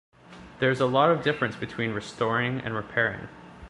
There is a lot of difference between restoring and repairing.